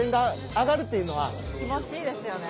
やっぱり気持ちいいですよね。